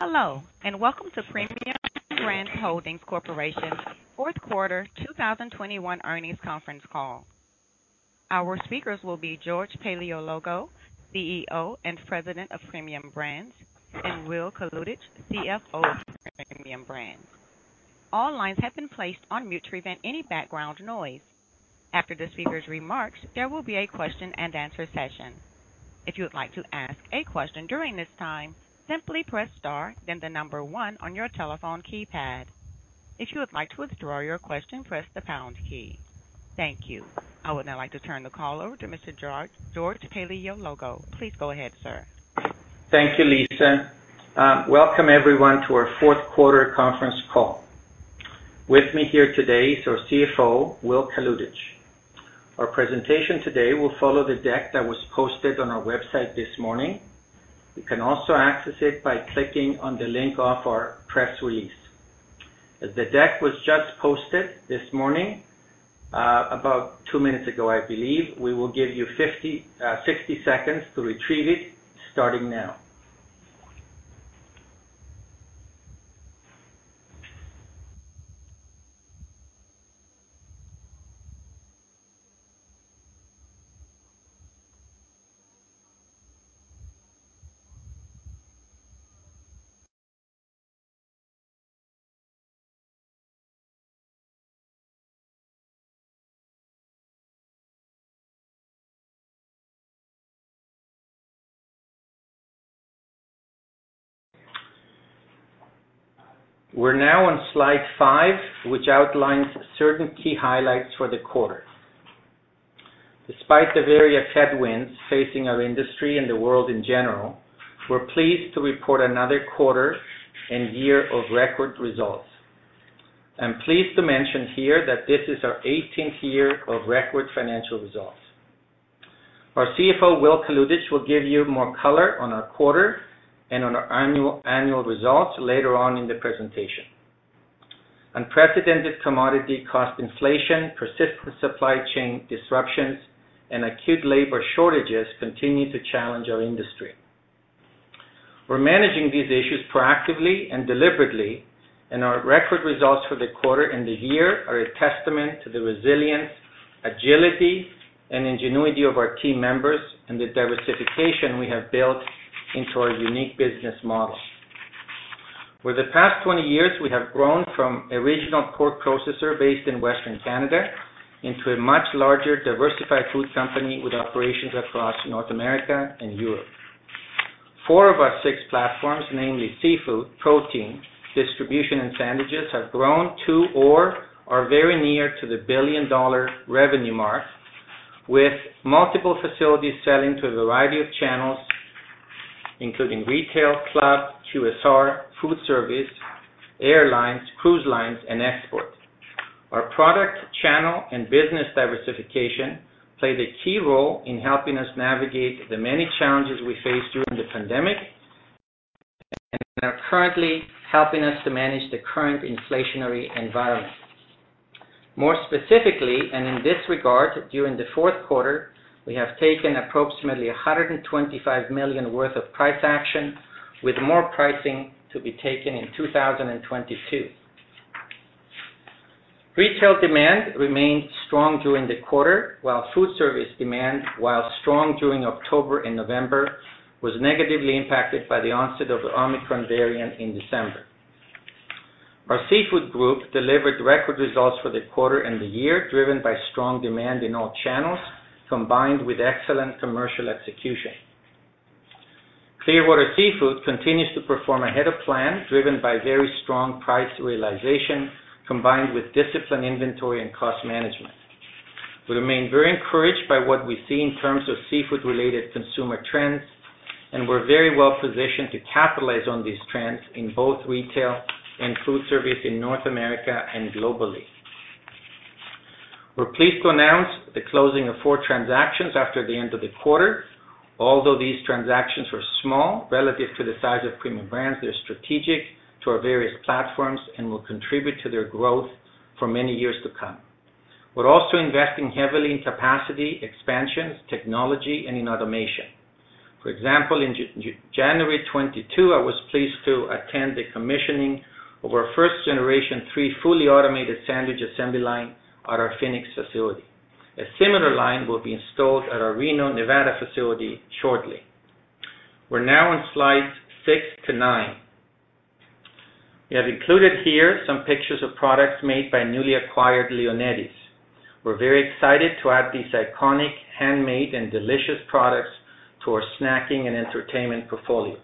Hello, and welcome to Premium Brands Holdings Corporation Fourth Quarter 2021 Earnings Conference Call. Our speakers will be George Paleologou, CEO and President of Premium Brands, and Will Kalutycz, CFO of Premium Brands. All lines have been placed on mute to prevent any background noise. After the speakers' remarks, there will be a question-and-answer session. If you would like to ask a question during this time, simply press star then one on your telephone keypad. If you would like to withdraw your question, press the pound key. Thank you. I would now like to turn the call over to Mr. George Paleologou. Please go ahead, sir. Thank you, Lisa. Welcome everyone to our fourth quarter conference call. With me here today is our CFO, Will Kalutycz. Our presentation today will follow the deck that was posted on our website this morning. You can also access it by clicking on the link of our press release. As the deck was just posted this morning, about two minutes ago, I believe, we will give you 60 seconds to retrieve it starting now. We're now on slide five, which outlines certain key highlights for the quarter. Despite the various headwinds facing our industry and the world in general, we're pleased to report another quarter and year of record results. I'm pleased to mention here that this is our 18th year of record financial results. Our CFO, Will Kalutycz, will give you more color on our quarter and on our annual results later on in the presentation. Unprecedented commodity cost inflation, persistent supply chain disruptions, and acute labor shortages continue to challenge our industry. We're managing these issues proactively and deliberately, and our record results for the quarter and the year are a testament to the resilience, agility, and ingenuity of our team members and the diversification we have built into our unique business model. For the past 20 years, we have grown from a regional pork processor based in Western Canada into a much larger diversified food company with operations across North America and Europe. Four of our six platforms, namely seafood, protein, distribution, and sandwiches, have grown to or are very near to the billion-dollar revenue mark, with multiple facilities selling to a variety of channels, including retail, club, QSR, food service, airlines, cruise lines, and export. Our product channel and business diversification play the key role in helping us navigate the many challenges we face during the pandemic and are currently helping us to manage the current inflationary environment. More specifically, and in this regard, during the fourth quarter, we have taken approximately 125 million worth of price action with more pricing to be taken in 2022. Retail demand remained strong during the quarter, while food service demand, while strong during October and November, was negatively impacted by the onset of the Omicron variant in December. Our Seafood Group delivered record results for the quarter and the year, driven by strong demand in all channels, combined with excellent commercial execution. Clearwater Seafoods continues to perform ahead of plan, driven by very strong price realization, combined with disciplined inventory and cost management. We remain very encouraged by what we see in terms of seafood-related consumer trends, and we're very well positioned to capitalize on these trends in both retail and food service in North America and globally. We're pleased to announce the closing of four transactions after the end of the quarter. Although these transactions were small relative to the size of Premium Brands, they're strategic to our various platforms and will contribute to their growth for many years to come. We're also investing heavily in capacity, expansions, technology, and in automation. For example, in January 2022, I was pleased to attend the commissioning of our first Generation 3 fully automated sandwich assembly line at our Phoenix facility. A similar line will be installed at our Reno, Nevada facility shortly. We're now on slides 6-9. We have included here some pictures of products made by newly acquired Lionetti's. We're very excited to add these iconic, handmade, and delicious products to our snacking and entertainment portfolio.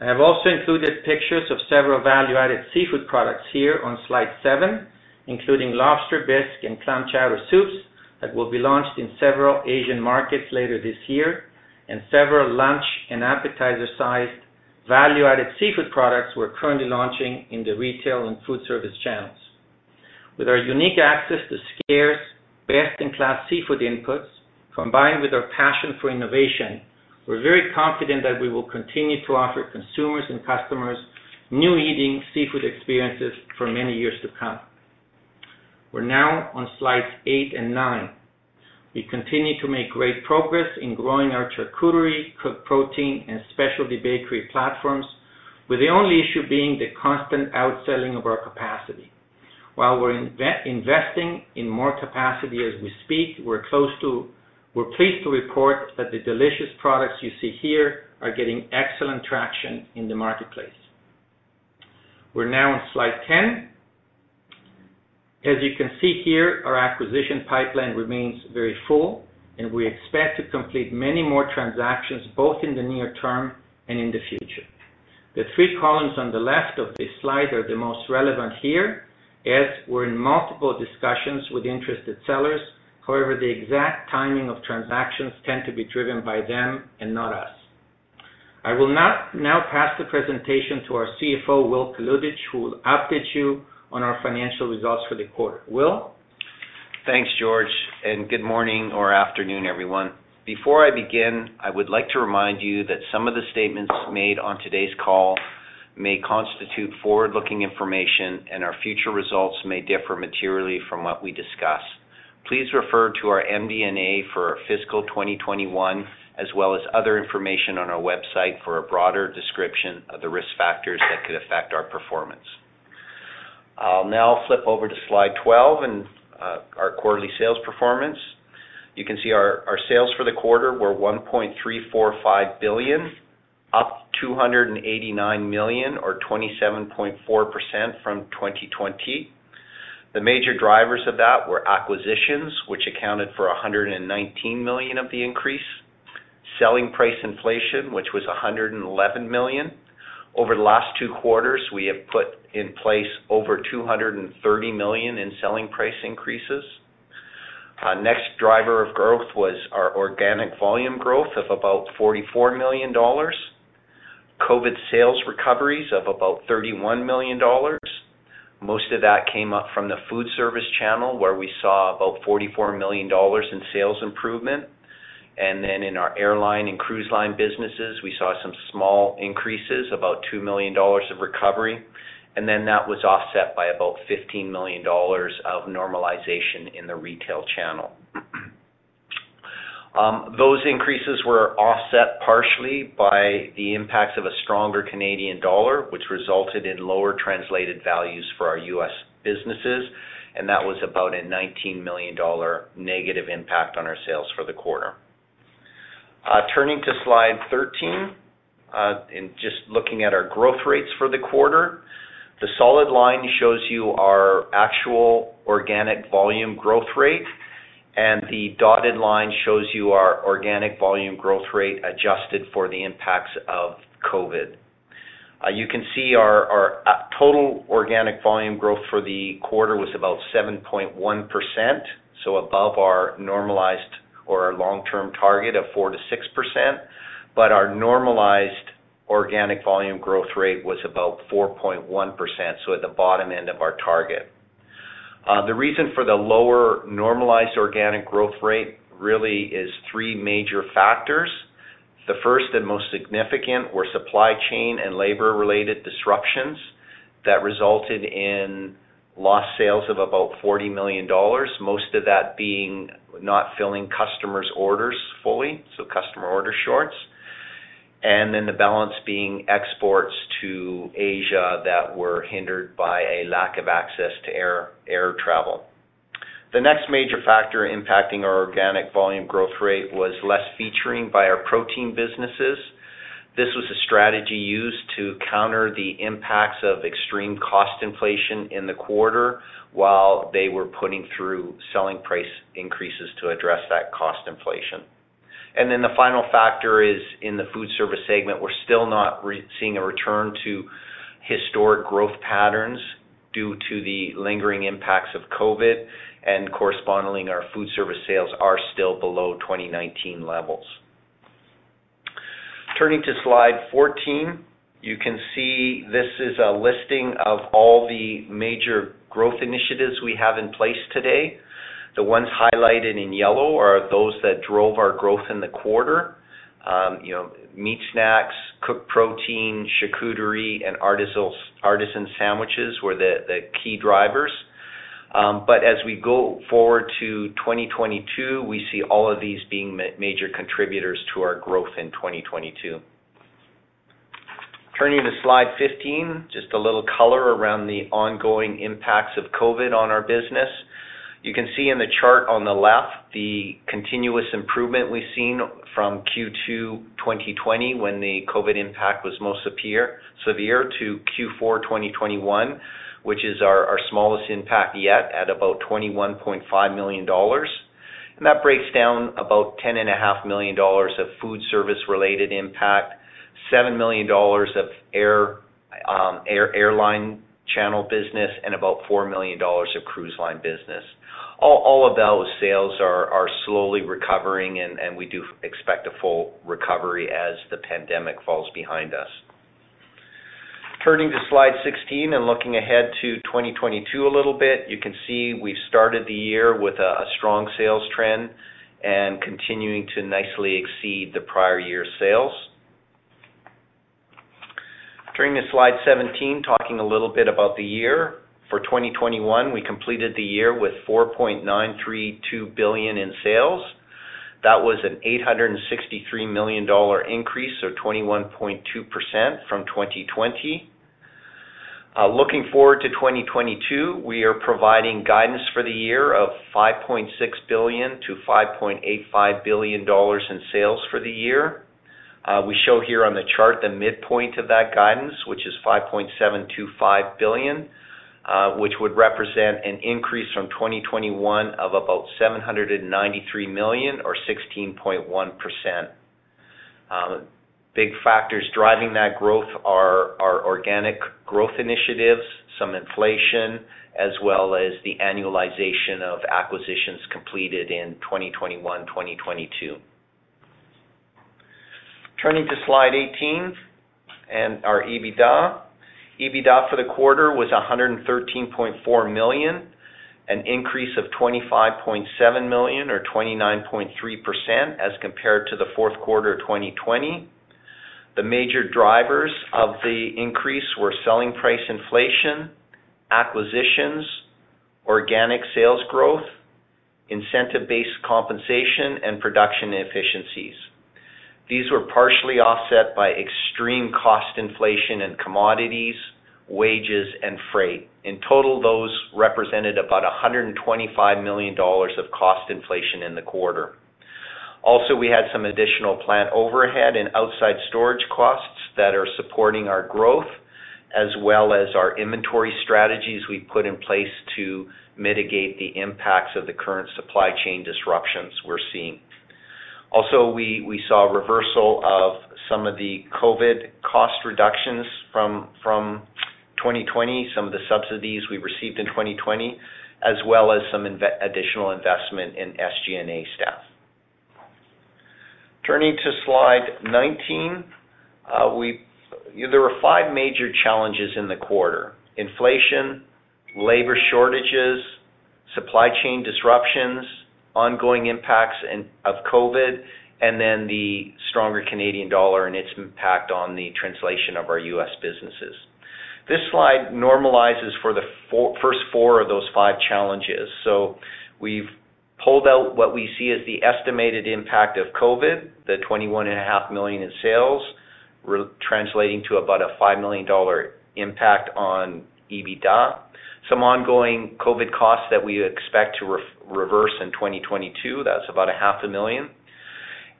I have also included pictures of several value-added seafood products here on slide seven, including lobster bisque and clam chowder soups that will be launched in several Asian markets later this year, and several lunch and appetizer-sized value-added seafood products we're currently launching in the retail and food service channels. With our unique access to scarce, best-in-class seafood inputs, combined with our passion for innovation, we're very confident that we will continue to offer consumers and customers new eating seafood experiences for many years to come. We're now on slides eight and nine. We continue to make great progress in growing our charcuterie, cooked protein, and specialty bakery platforms, with the only issue being the constant outselling of our capacity. While we're investing in more capacity as we speak, we're pleased to report that the delicious products you see here are getting excellent traction in the marketplace. We're now on slide ten. As you can see here, our acquisition pipeline remains very full, and we expect to complete many more transactions, both in the near-term and in the future. The three columns on the left of this slide are the most relevant here as we're in multiple discussions with interested sellers. However, the exact timing of transactions tend to be driven by them and not us. I will now pass the presentation to our CFO, Will Kalutycz, who will update you on our financial results for the quarter. Will? Thanks, George, and good morning or afternoon, everyone. Before I begin, I would like to remind you that some of the statements made on today's call may constitute forward-looking information, and our future results may differ materially from what we discuss. Please refer to our MD&A for our fiscal 2021 as well as other information on our website for a broader description of the risk factors that could affect our performance. I'll now flip over to slide 12 and our quarterly sales performance. You can see our sales for the quarter were 1.345 billion, up 289 million or 27.4% from 2020. The major drivers of that were acquisitions, which accounted for 119 million of the increase. Selling price inflation, which was 111 million. Over the last two quarters, we have put in place over 230 million in selling price increases. Our next driver of growth was our organic volume growth of about 44 million dollars. COVID sales recoveries of about 31 million dollars. Most of that came up from the food service channel, where we saw about 44 million dollars in sales improvement. In our airline and cruise line businesses, we saw some small increases, about 2 million dollars of recovery. That was offset by about 15 million dollars of normalization in the retail channel. Those increases were offset partially by the impacts of a stronger Canadian dollar, which resulted in lower translated values for our U.S. businesses, and that was about a 19 million dollar negative impact on our sales for the quarter. Turning to slide 13, and just looking at our growth rates for the quarter, the solid line shows you our actual organic volume growth rate, and the dotted line shows you our organic volume growth rate adjusted for the impacts of COVID. You can see our total organic volume growth for the quarter was about 7.1%, so above our normalized or our long-term target of 4%-6%. Our normalized organic volume growth rate was about 4.1%, so at the bottom end of our target. The reason for the lower normalized organic growth rate really is three major factors. The first and most significant were supply chain and labor-related disruptions that resulted in lost sales of about 40 million dollars, most of that being not filling customers' orders fully, so customer order shorts. The balance being exports to Asia that were hindered by a lack of access to air travel. The next major factor impacting our organic volume growth rate was less featuring by our protein businesses. This was a strategy used to counter the impacts of extreme cost inflation in the quarter while they were putting through selling price increases to address that cost inflation. The final factor is in the food service segment, we're still not seeing a return to historic growth patterns due to the lingering impacts of COVID, and correspondingly, our food service sales are still below 2019 levels. Turning to slide 14, you can see this is a listing of all the major growth initiatives we have in place today. The ones highlighted in yellow are those that drove our growth in the quarter. You know, meat snacks, cooked protein, charcuterie, and Artisan Sandwiches were the key drivers. As we go forward to 2022, we see all of these being major contributors to our growth in 2022. Turning to slide 15, just a little color around the ongoing impacts of COVID on our business. You can see in the chart on the left the continuous improvement we've seen from Q2 2020 when the COVID impact was most severe to Q4 2021, which is our smallest impact yet at about 21.5 million dollars. That breaks down about 10.5 million dollars of food service-related impact, 7 million dollars of airline channel business, and about 4 million dollars of cruise line business. All of those sales are slowly recovering and we do expect a full recovery as the pandemic falls behind us. Turning to slide 16 and looking ahead to 2022 a little bit, you can see we've started the year with a strong sales trend and continuing to nicely exceed the prior year sales. Turning to slide 17, talking a little bit about the year. For 2021, we completed the year with 4.932 billion in sales. That was a 863 million dollar increase or 21.2% from 2020. Looking forward to 2022, we are providing guidance for the year of 5.6 billion-5.85 billion dollars in sales for the year. We show here on the chart the midpoint of that guidance, which is 5.725 billion, which would represent an increase from 2021 of about 793 million or 16.1%. Big factors driving that growth are our organic growth initiatives, some inflation, as well as the annualization of acquisitions completed in 2021, 2022. Turning to slide 18 and our EBITDA. EBITDA for the quarter was 113.4 million, an increase of 25.7 million or 29.3% as compared to the fourth quarter of 2020. The major drivers of the increase were selling price inflation, acquisitions, organic sales growth, incentive-based compensation, and production efficiencies. These were partially offset by extreme cost inflation in commodities, wages, and freight. In total, those represented about 125 million dollars of cost inflation in the quarter. We had some additional plant overhead and outside storage costs that are supporting our growth, as well as our inventory strategies we put in place to mitigate the impacts of the current supply chain disruptions we're seeing. We saw a reversal of some of the COVID cost reductions from 2020, some of the subsidies we received in 2020, as well as additional investment in SG&A staff. Turning to slide 19. There were five major challenges in the quarter. Inflation, labor shortages, supply chain disruptions, ongoing impacts of COVID, and then the stronger Canadian dollar and its impact on the translation of our U.S. businesses. This slide normalizes for the first four of those five challenges. We've pulled out what we see as the estimated impact of COVID, the 21.5 million in sales, retranslating to about a 5 million dollar impact on EBITDA. Some ongoing COVID costs that we expect to reverse in 2022, that's about 500,000.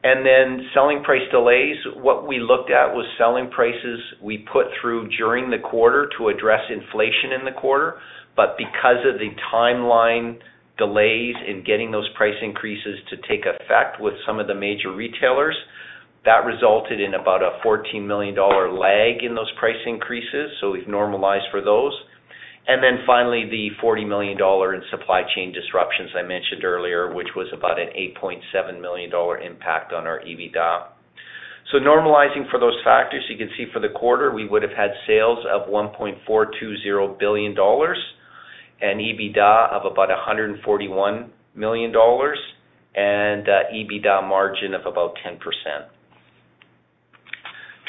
Then selling price delays, what we looked at was selling prices we put through during the quarter to address inflation in the quarter. Because of the timeline delays in getting those price increases to take effect with some of the major retailers, that resulted in about a 14 million dollar lag in those price increases, so we've normalized for those. Finally, the 40 million dollar in supply chain disruptions I mentioned earlier, which was about a 8.7 million dollar impact on our EBITDA. Normalizing for those factors, you can see for the quarter, we would have had sales of 1.420 billion dollars and EBITDA of about 141 million dollars and EBITDA margin of about 10%.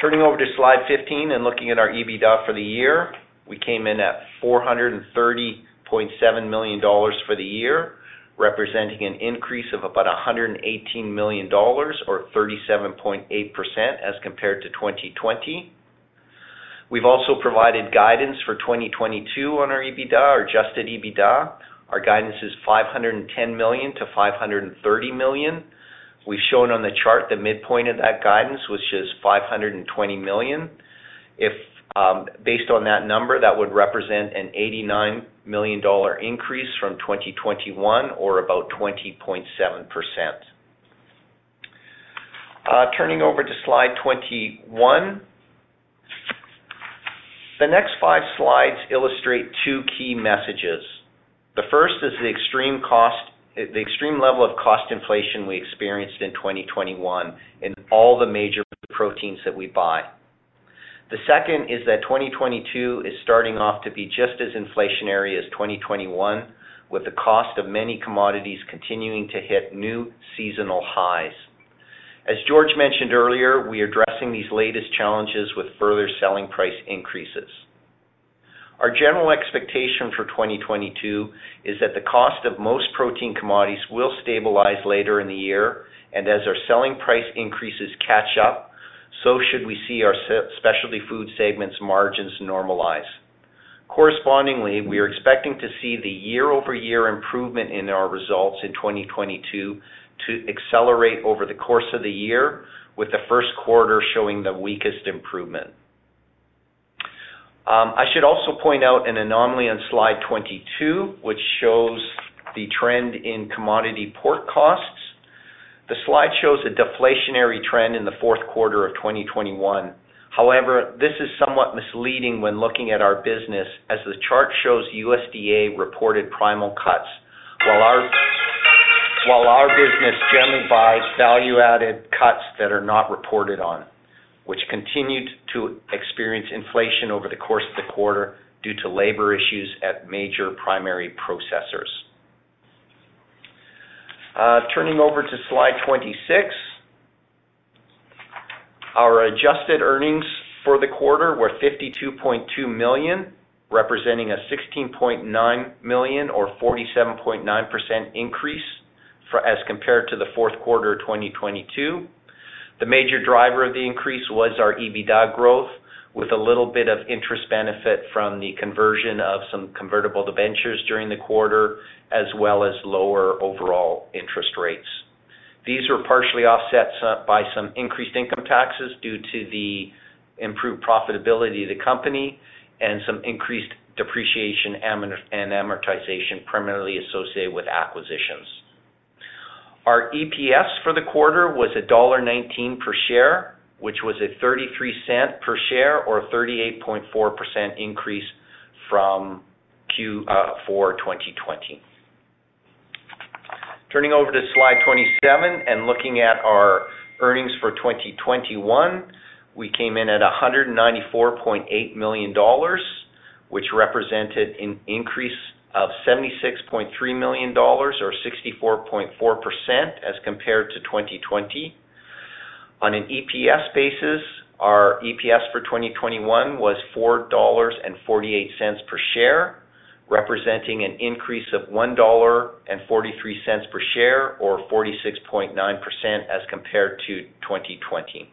Turning over to slide 15 and looking at our EBITDA for the year, we came in at 430.7 million dollars for the year, representing an increase of about 118 million dollars or 37.8% as compared to 2020. We've also provided guidance for 2022 on our EBITDA or adjusted EBITDA. Our guidance is 510 million-530 million. We've shown on the chart the midpoint of that guidance, which is 520 million. If based on that number, that would represent a 89 million dollar increase from 2021 or about 20.7%. Turning over to slide 21. The next five slides illustrate two key messages. The first is the extreme level of cost inflation we experienced in 2021 in all the major proteins that we buy. The second is that 2022 is starting off to be just as inflationary as 2021, with the cost of many commodities continuing to hit new seasonal highs. As George mentioned earlier, we are addressing these latest challenges with further selling price increases. Our general expectation for 2022 is that the cost of most protein commodities will stabilize later in the year, and as our selling price increases catch up, so should we see our specialty food segment's margins normalize. Correspondingly, we are expecting to see the year-over-year improvement in our results in 2022 to accelerate over the course of the year, with the first quarter showing the weakest improvement. I should also point out an anomaly on slide 22, which shows the trend in commodity pork costs. The slide shows a deflationary trend in the fourth quarter of 2021. However, this is somewhat misleading when looking at our business as the chart shows USDA-reported primal cuts while our business generally buys value-added cuts that are not reported on, which continued to experience inflation over the course of the quarter due to labor issues at major primary processors. Turning over to slide 26. Our adjusted earnings for the quarter were 52.2 million, representing a 16.9 million or 47.9% increase from, as compared to the fourth quarter of 2022. The major driver of the increase was our EBITDA growth, with a little bit of interest benefit from the conversion of some convertible debentures during the quarter, as well as lower overall interest rates. These were partially offset by some increased income taxes due to the improved profitability of the company and some increased depreciation and amortization, primarily associated with acquisitions. Our EPS for the quarter was dollar 1.19 per share, which was a 0.33 per share or 38.4% increase from Q4 2020. Turning over to slide 27 and looking at our earnings for 2021, we came in at 194.8 million dollars, which represented an increase of 76.3 million dollars or 64.4% as compared to 2020. On an EPS basis, our EPS for 2021 was 4.48 dollars per share, representing an increase of 1.43 dollar per share or 46.9% as compared to 2020.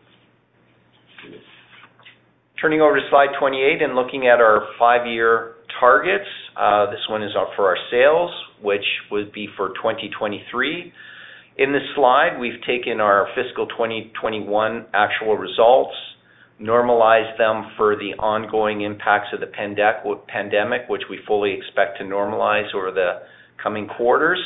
Turning over to slide 28 and looking at our five-year targets, this one is for our sales, which would be for 2023. In this slide, we've taken our fiscal 2021 actual results, normalized them for the ongoing impacts of the pandemic, which we fully expect to normalize over the coming quarters,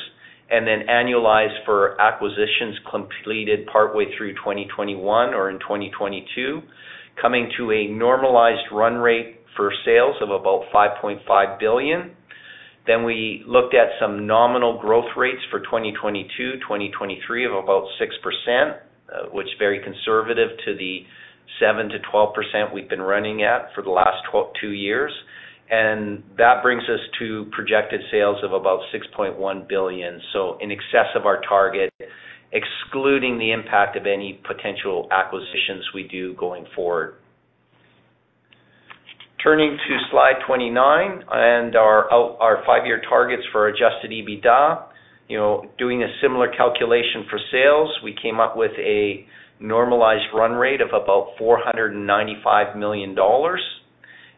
and then annualized for acquisitions completed partway through 2021 or in 2022, coming to a normalized run rate for sales of about 5.5 billion. We looked at some nominal growth rates for 2022, 2023 of about 6%, which is very conservative to the 7%-12% we've been running at for the last two years. That brings us to projected sales of about 6.1 billion, so in excess of our target, excluding the impact of any potential acquisitions we do going forward. Turning to slide 29 and our five-year targets for adjusted EBITDA, you know, doing a similar calculation for sales, we came up with a normalized run rate of about 495 million dollars.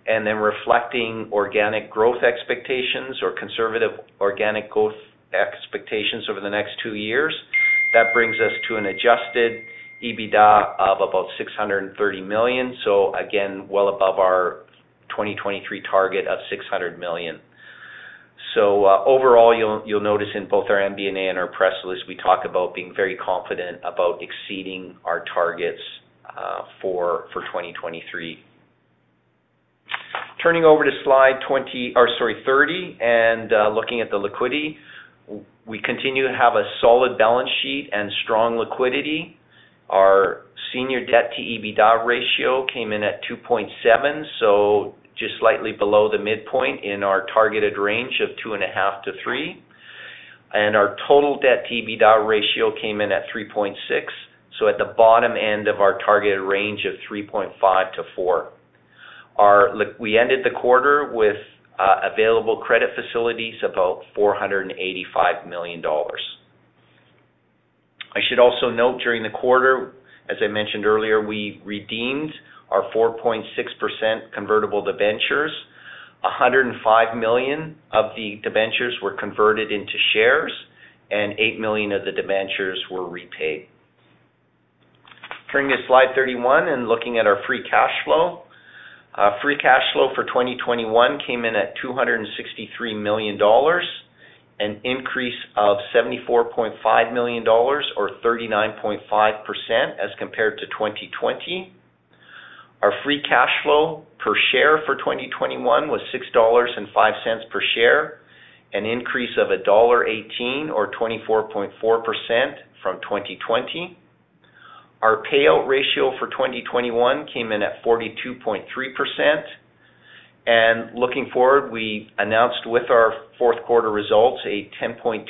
Reflecting organic growth expectations or conservative organic growth expectations over the next two years, that brings us to an adjusted EBITDA of about 630 million. Again, well above our 2023 target of 600 million. Overall, you'll notice in both our MD&A and our press release, we talk about being very confident about exceeding our targets for 2023. Turning over to slide 30, looking at the liquidity, we continue to have a solid balance sheet and strong liquidity. Our senior debt-to-EBITDA ratio came in at 2.7, so just slightly below the midpoint in our targeted range of 2.5-3. Our total debt-to-EBITDA ratio came in at 3.6, so at the bottom end of our targeted range of 3.5-4. We ended the quarter with available credit facilities about 485 million dollars. I should also note during the quarter, as I mentioned earlier, we redeemed our 4.6% convertible debentures. 105 million of the debentures were converted into shares, and 8 million of the debentures were repaid. Turning to slide 31 and looking at our free cash flow. Free cash flow for 2021 came in at 263 million dollars, an increase of 74.5 million dollars or 39.5% as compared to 2020. Our free cash flow per share for 2021 was 6.05 dollars per share, an increase of dollar 1.18 or 24.4% from 2020. Our payout ratio for 2021 came in at 42.3%. Looking forward, we announced with our fourth quarter results a 10.2%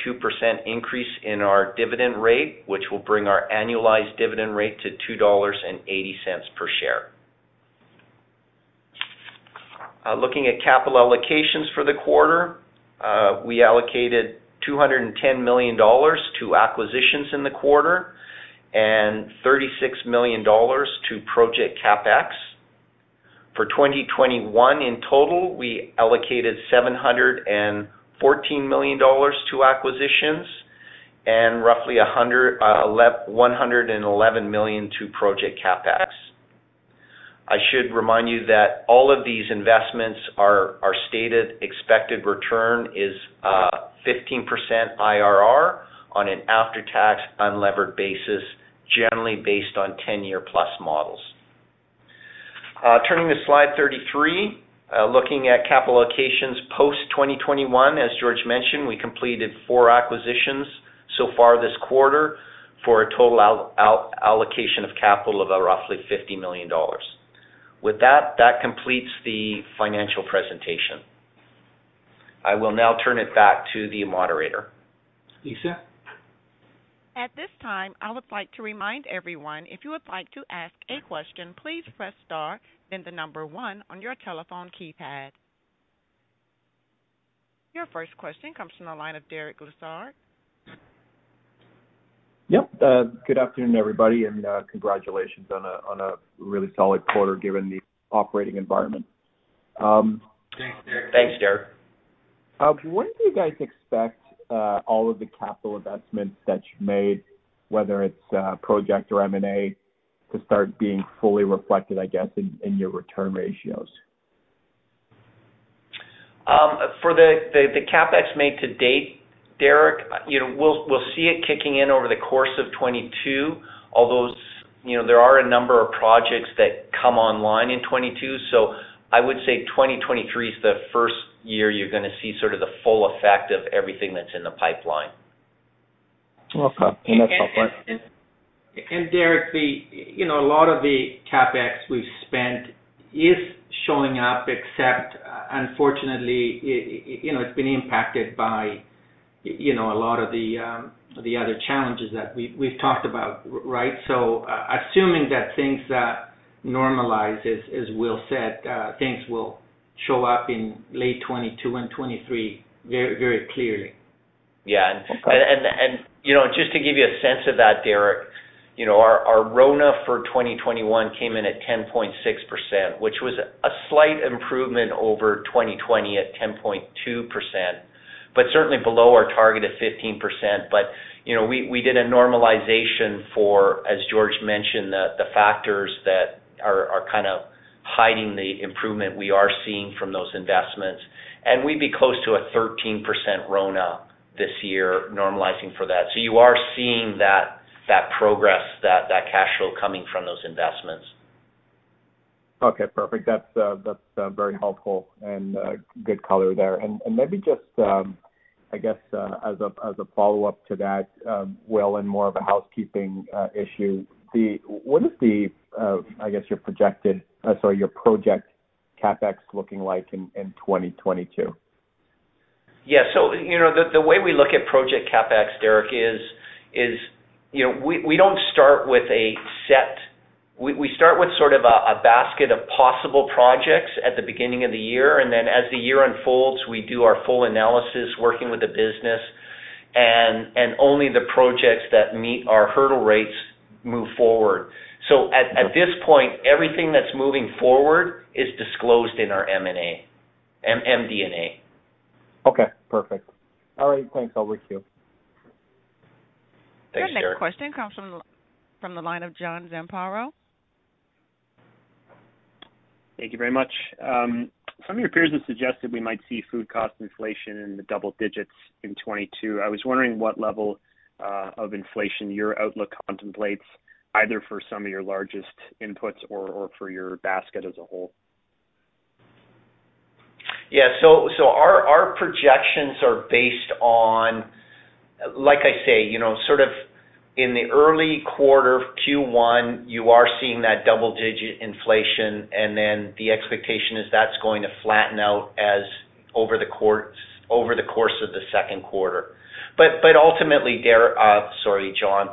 increase in our dividend rate, which will bring our annualized dividend rate to 2.80 dollars per share. Looking at capital allocations for the quarter, we allocated 210 million dollars to acquisitions in the quarter and 36 million dollars to project CapEx. For 2021 in total, we allocated 714 million dollars to acquisitions and roughly 111 million to project CapEx. I should remind you that all of these investments, our stated expected return is, 15% IRR on an after-tax, unlevered basis, generally based on 10+ year models. Turning to slide 33, looking at capital allocations post-2021, as George mentioned, we completed four acquisitions so far this quarter for a total allocation of capital of roughly 50 million dollars. With that completes the financial presentation. I will now turn it back to the moderator. Lisa? At this time, I would like to remind everyone, if you would like to ask a question, please press star then the number one on your telephone keypad. Your first question comes from the line of Derek Lessard. Yep. Good afternoon, everybody, and congratulations on a really solid quarter given the operating environment. Thanks, Derek. Thanks, Derek. When do you guys expect all of the capital investments that you made, whether it's project or M&A, to start being fully reflected, I guess, in your return ratios? For the CapEx made to date, Derek, you know, we'll see it kicking in over the course of 2022, although, you know, there are a number of projects that come online in 2022. I would say 2023 is the first year you're gonna see sort of the full effect of everything that's in the pipeline. Okay. That's helpful. Derek, you know, a lot of the CapEx we've spent is showing up except, unfortunately, it, you know, it's been impacted by, you know, a lot of the other challenges that we've talked about, right? Assuming that things normalize, as Will said, things will show up in late 2022 and 2023 very clearly. Okay. Yeah, you know, just to give you a sense of that, Derek, you know, our RONA for 2021 came in at 10.6%, which was a slight improvement over 2020 at 10.2%, but certainly below our target of 15%. You know, we did a normalization for, as George mentioned, the factors that are kind of hiding the improvement we are seeing from those investments. We'd be close to a 13% RONA this year normalizing for that. You are seeing that progress, that cash flow coming from those investments. Okay. Perfect. That's very helpful and good color there. Maybe just I guess as a follow-up to that, Will, and more of a housekeeping issue, what is your projected CapEx looking like in 2022? Yeah, you know, the way we look at project CapEx, Derek, is, you know, we don't start with a set. We start with sort of a basket of possible projects at the beginning of the year, and then as the year unfolds, we do our full analysis working with the business, and only the projects that meet our hurdle rates move forward. Okay. At this point, everything that's moving forward is disclosed in our M&A. Okay. Perfect. All right. Thanks. I'll let you. Thanks, Derek. Our next question comes from the line of John Zamparo. Thank you very much. Some of your peers have suggested we might see food cost inflation in the double-digits in 2022. I was wondering what level of inflation your outlook contemplates, either for some of your largest inputs or for your basket as a whole. Yeah. Our projections are based on, like I say, you know, sort of in the early quarter Q1, you are seeing that double-digit inflation, and then the expectation is that's going to flatten out as over the course of the second quarter. Ultimately, Derek, sorry, John,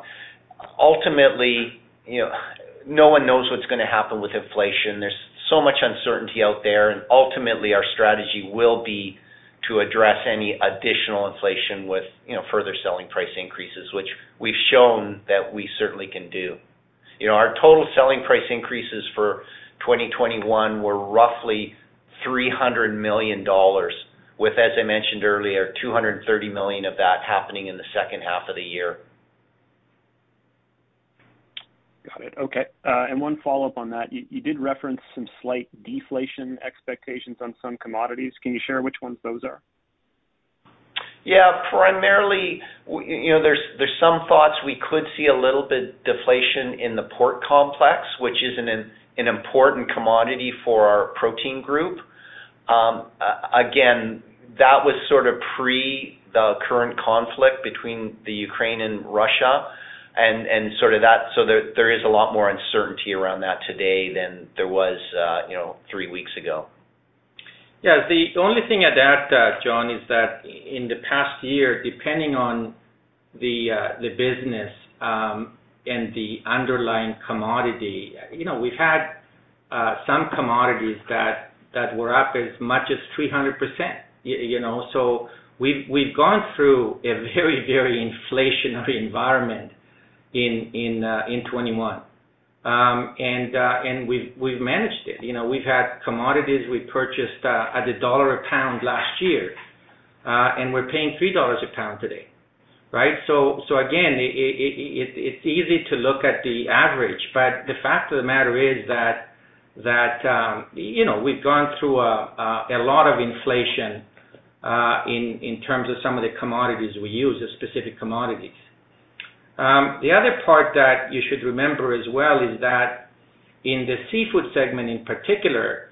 you know, no one knows what's gonna happen with inflation. There's so much uncertainty out there, and ultimately, our strategy will be to address any additional inflation with, you know, further selling price increases, which we've shown that we certainly can do. You know, our total selling price increases for 2021 were roughly 300 million dollars, with, as I mentioned earlier, 230 million of that happening in the second half of the year. Got it. Okay. One follow-up on that. You did reference some slight deflation expectations on some commodities. Can you share which ones those are? Yeah. Primarily, you know, there's some thoughts we could see a little bit deflation in the pork complex, which is an important commodity for our protein group. Again, that was sort of pre the current conflict between the Ukraine and Russia and sort of that. There is a lot more uncertainty around that today than there was, you know, three weeks ago. Yeah. The only thing I'd add, John, is that in the past year, depending on the business and the underlying commodity, you know, we've had some commodities that were up as much as 300%, you know? We've gone through a very inflationary environment in 2021. We've managed it. You know, we've had commodities we purchased at $1 a pound last year and we're paying $3 a pound today, right? Again, it's easy to look at the average, but the fact of the matter is that, you know, we've gone through a lot of inflation in terms of some of the commodities we use as specific commodities. The other part that you should remember as well is that in the seafood segment in particular,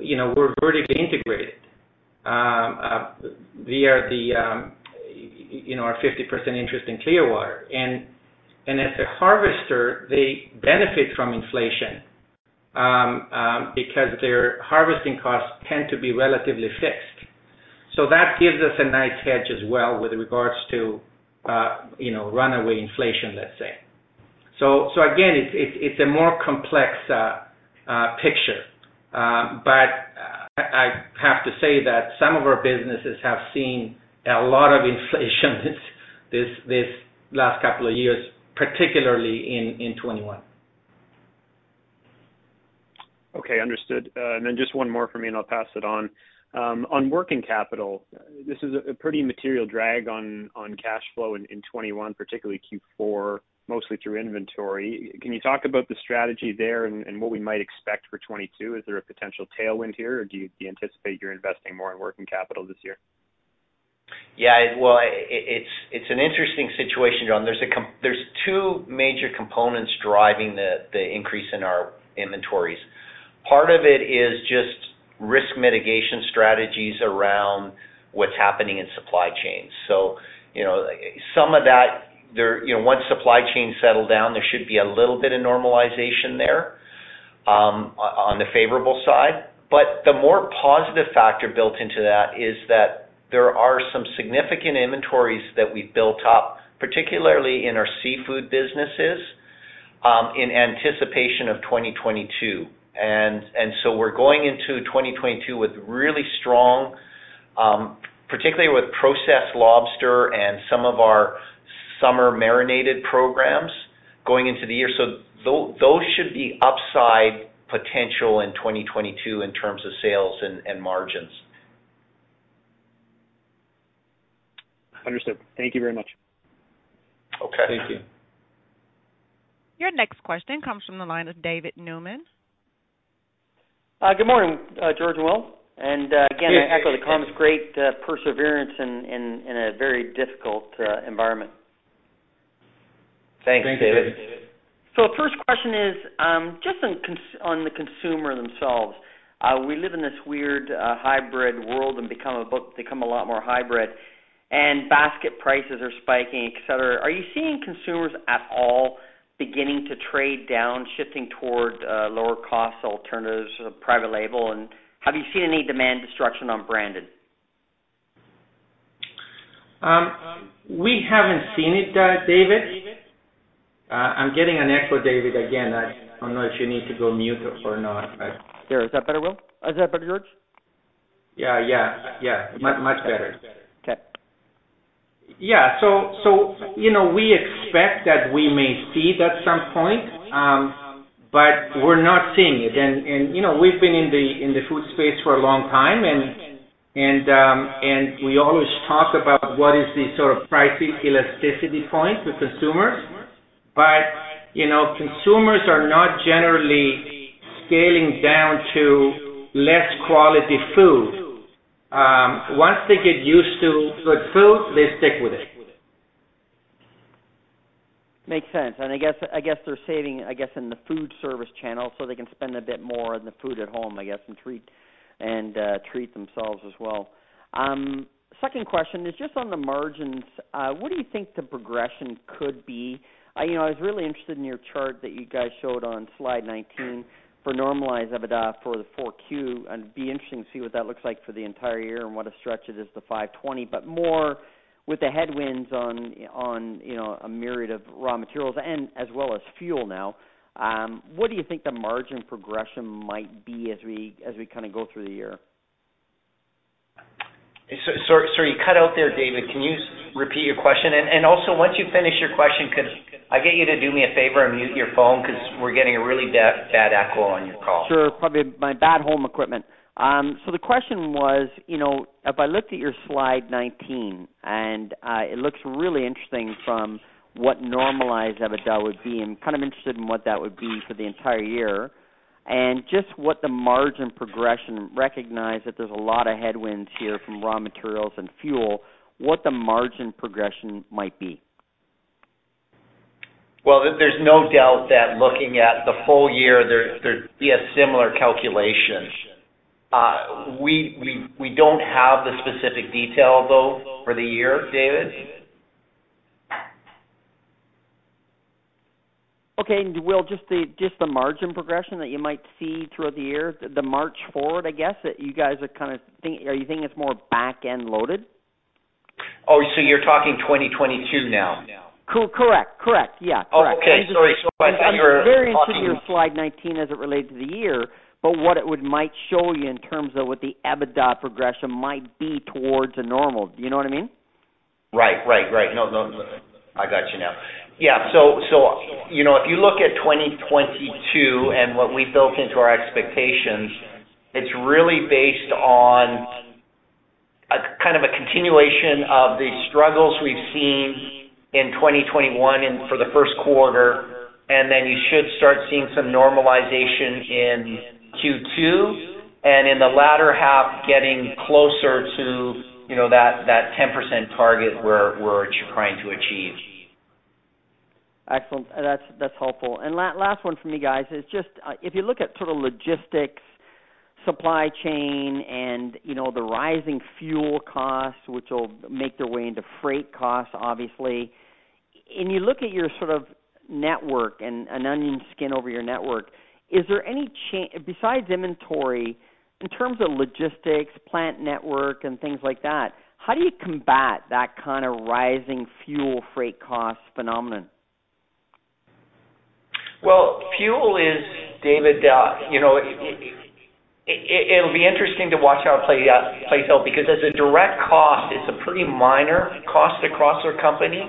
you know, we're vertically integrated. You know, our 50% interest in Clearwater, as a harvester, they benefit from inflation, because their harvesting costs tend to be relatively fixed. That gives us a nice hedge as well with regards to, you know, runaway inflation, let's say. Again, it's a more complex picture. But I have to say that some of our businesses have seen a lot of inflation this last couple of years, particularly in 2021. Okay, understood. And then just one more for me, and I'll pass it on. On working capital, this is a pretty material drag on cash flow in 2021, particularly Q4, mostly through inventory. Can you talk about the strategy there and what we might expect for 2022? Is there a potential tailwind here, or do you anticipate you're investing more in working capital this year? Yeah. Well, it's an interesting situation, John. There's two major components driving the increase in our inventories. Part of it is just risk mitigation strategies around what's happening in supply chains. You know, some of that there. You know, once supply chains settle down, there should be a little bit of normalization there, on the favorable side. The more positive factor built into that is that there are some significant inventories that we've built up, particularly in our seafood businesses, in anticipation of 2022. We're going into 2022 with really strong, particularly with processed lobster and some of our summer marinated programs going into the year. Those should be upside potential in 2022 in terms of sales and margins. Understood. Thank you very much. Okay. Thank you. Your next question comes from the line of David Newman. Good morning, George and Will. Again, I echo the comments, great perseverance in a very difficult environment. Thanks, David. Thanks, David. First question is, just on the consumer themselves. We live in this weird hybrid world and become a lot more hybrid, and basket prices are spiking, et cetera. Are you seeing consumers at all beginning to trade down, shifting toward lower cost alternatives or private label? Have you seen any demand destruction on branded? We haven't seen it, David. I'm getting an echo, David. Again, I don't know if you need to go mute or not, but. There. Is that better, Will? Is that better, George? Yeah. Much better. Okay. Yeah, you know, we expect that we may see it at some point, but we're not seeing it. You know, we've been in the food space for a long time, and we always talk about what is the sort of price elasticity point with consumers. You know, consumers are not generally scaling down to less quality food. Once they get used to good food, they stick with it. Makes sense. I guess they're saving, I guess, in the food service channel, so they can spend a bit more on the food at home, I guess, and treat themselves as well. Second question is just on the margins. What do you think the progression could be? You know, I was really interested in your chart that you guys showed on slide 19 for normalized EBITDA for Q4. It'd be interesting to see what that looks like for the entire year and what a stretch it is to 520. But more with the headwinds on, you know, a myriad of raw materials and as well as fuel now, what do you think the margin progression might be as we kinda go through the year? You cut out there, David. Can you repeat your question? Also, once you finish your question, could I get you to do me a favor and mute your phone? 'Cause we're getting a really bad echo on your call. Sure. Probably my bad home equipment. So the question was, you know, if I looked at your slide 19, and it looks really interesting from what normalized EBITDA would be, and kind of interested in what that would be for the entire year. Just what the margin progression, recognize that there's a lot of headwinds here from raw materials and fuel, what the margin progression might be. Well, there's no doubt that looking at the full year, there'd be a similar calculation. We don't have the specific detail, though, for the year, David. Okay. Will, just the margin progression that you might see throughout the year, the march forward, I guess. Are you thinking it's more back-end loaded? Oh, you're talking 2022 now. Correct. Yeah. Correct. Oh, okay. Sorry. I thought you were talking. I'm very interested in your slide 19 as it relates to the year, but what it might show you in terms of what the EBITDA progression might be towards normal. Do you know what I mean? Right. No, I got you now. Yeah. You know, if you look at 2022 and what we built into our expectations, it's really based on a kind of a continuation of the struggles we've seen in 2021 and for the first quarter, and then you should start seeing some normalization in Q2, and in the latter half, getting closer to, you know, that 10% target we're trying to achieve. Excellent. That's helpful. Last one for me, guys, is just if you look at total logistics, supply chain, and, you know, the rising fuel costs, which will make their way into freight costs, obviously. You look at your sort of network and an onion skin over your network. Is there any besides inventory in terms of logistics, plant network, and things like that, how do you combat that kind of rising fuel freight cost phenomenon? Well, fuel is, David. It'll be interesting to watch how it plays out because as a direct cost, it's a pretty minor cost across our company.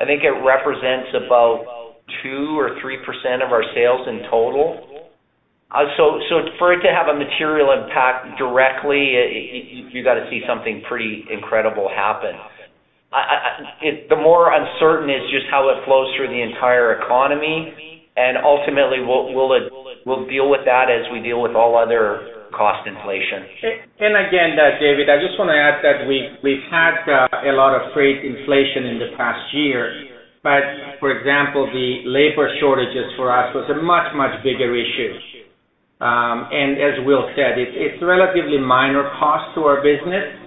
I think it represents about 2%-3% of our sales in total. So for it to have a material impact directly, you gotta see something pretty incredible happen. The more uncertainty is just how it flows through the entire economy, and ultimately, we'll deal with that as we deal with all other cost inflation. Again, David, I just wanna add that we've had a lot of freight inflation in the past year. For example, the labor shortages for us was a much bigger issue. As Will said, it's relatively minor cost to our business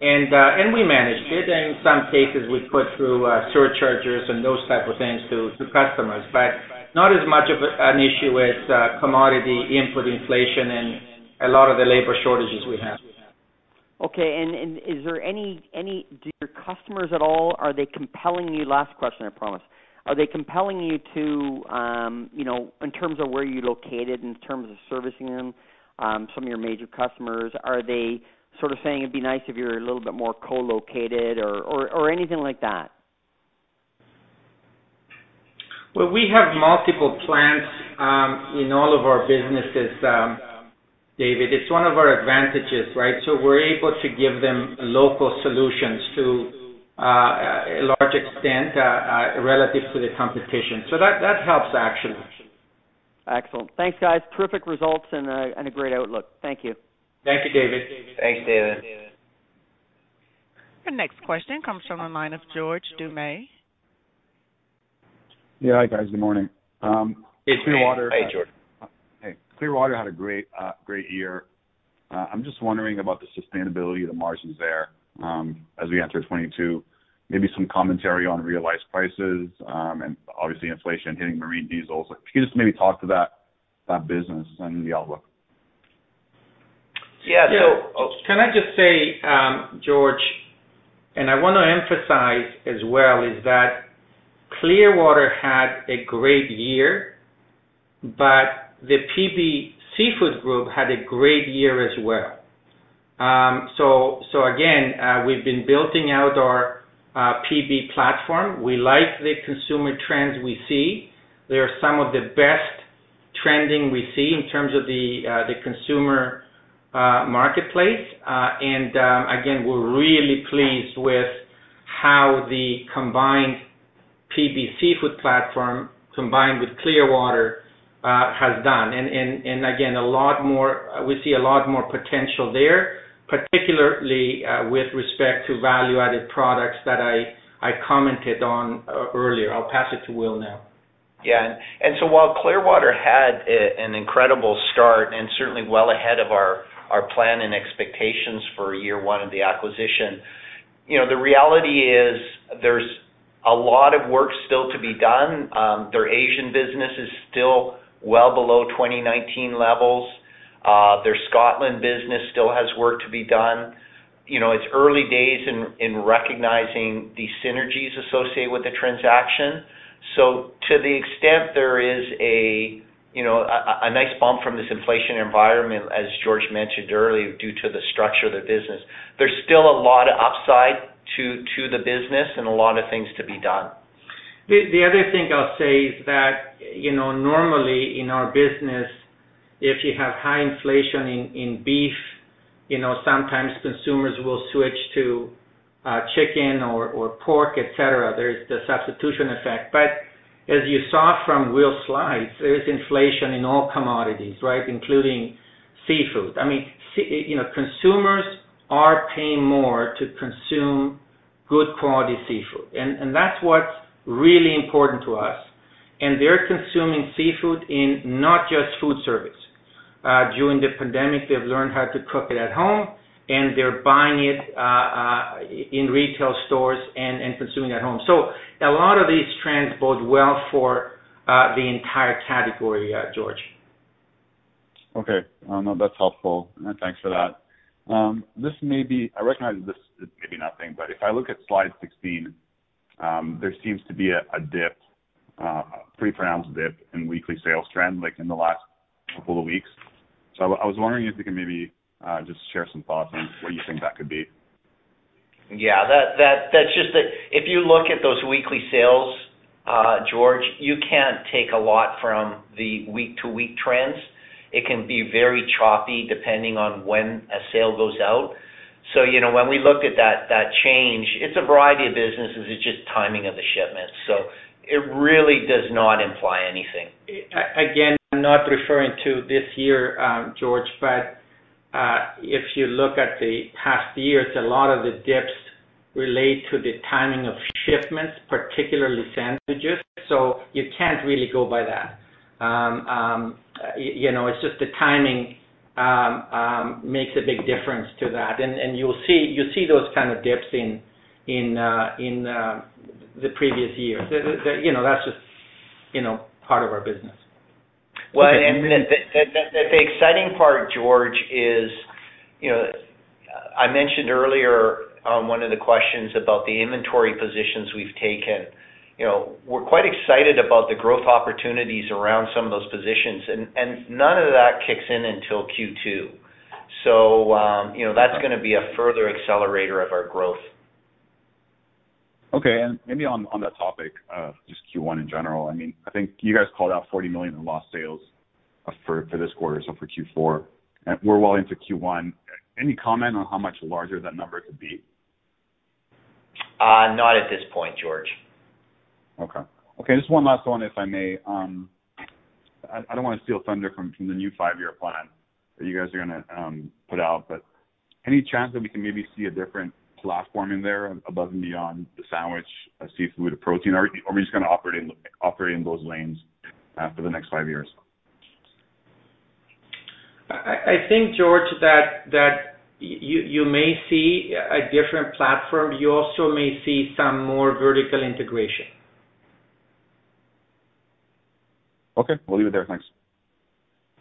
and we managed it. In some cases, we put through surcharges and those type of things to customers. Not as much of an issue as commodity input inflation and a lot of the labor shortages we have. Last question, I promise. Are they compelling you to, you know, in terms of where you're located, in terms of servicing them, some of your major customers, are they sort of saying it'd be nice if you're a little bit more co-located or anything like that? Well, we have multiple plants in all of our businesses, David. It's one of our advantages, right? We're able to give them local solutions to a large extent relative to the competition. That helps actually. Excellent. Thanks, guys. Perfect results and a great outlook. Thank you. Thank you, David. Thanks, David. The next question comes from the line of George Doumet. Yeah. Hi, guys. Good morning. Clearwater Hey, George. Hey. Clearwater had a great year. I'm just wondering about the sustainability of the margins there as we enter 2022. Maybe some commentary on realized prices and obviously inflation hitting marine diesels. Can you just maybe talk to that business and the outlook? Yeah. Can I just say, George, and I wanna emphasize as well, is that Clearwater had a great year, but the PB Seafood Group had a great year as well. Again, we've been building out our PB platform. We like the consumer trends we see. They are some of the best trending we see in terms of the consumer marketplace. Again, we're really pleased with how the combined PB Seafood platform combined with Clearwater has done. Again, we see a lot more potential there, particularly with respect to value-added products that I commented on earlier. I'll pass it to Will now. Yeah. While Clearwater had an incredible start and certainly well ahead of our plan and expectations for year one of the acquisition, you know, the reality is there's a lot of work still to be done. Their Asian business is still well below 2019 levels. Their Scotland business still has work to be done. You know, it's early days in recognizing the synergies associated with the transaction. To the extent there is a you know a nice bump from this inflation environment, as George mentioned earlier, due to the structure of the business, there's still a lot of upside to the business and a lot of things to be done. The other thing I'll say is that, you know, normally in our business, if you have high inflation in beef, you know, sometimes consumers will switch to chicken or pork, et cetera. There's the substitution effect. As you saw from Will's slides, there is inflation in all commodities, right? Including seafood. I mean, you know, consumers are paying more to consume good quality seafood, and that's what's really important to us. They're consuming seafood in not just food service. During the pandemic, they've learned how to cook it at home, and they're buying it in retail stores and consuming at home. A lot of these trends bode well for the entire category, George. Okay. That's helpful. Thanks for that. This may be. I recognize this is maybe nothing, but if I look at slide 16, there seems to be a pretty pronounced dip in weekly sales trends, like in the last couple of weeks. I was wondering if you can maybe just share some thoughts on what you think that could be. Yeah, that's just that if you look at those weekly sales, George, you can't take a lot from the week-to-week trends. It can be very choppy depending on when a sale goes out. You know, when we look at that change, it's a variety of businesses. It's just timing of the shipment. It really does not imply anything. Again, I'm not referring to this year, George, but if you look at the past years, a lot of the dips relate to the timing of shipments, particularly sandwiches. You can't really go by that. You know, it's just the timing makes a big difference to that. You'll see, you see those kind of dips in the previous years. You know, that's just you know part of our business. Well, the exciting part, George, is, you know, I mentioned earlier, one of the questions about the inventory positions we've taken. You know, we're quite excited about the growth opportunities around some of those positions, and none of that kicks in until Q2. You know, that's gonna be a further accelerator of our growth. Okay. Maybe on that topic, just Q1 in general, I mean, I think you guys called out 40 million in lost sales for this quarter, so for Q4. We're well into Q1. Any comment on how much larger that number could be? Not at this point, George. Okay, just one last one, if I may. I don't wanna steal thunder from the new five-year plan that you guys are gonna put out, but any chance that we can maybe see a different platform in there above and beyond the sandwich, a seafood, a protein, or are you just gonna operate in those lanes for the next five years? I think, George, that you may see a different platform. You also may see some more vertical integration. Okay. We'll leave it there. Thanks.